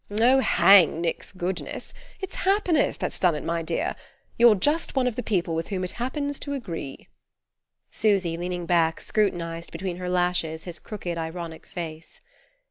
"Oh, hang Nick's goodness! It's happiness that's done it, my dear. You're just one of the people with whom it happens to agree." Susy, leaning back, scrutinized between her lashes his crooked ironic face.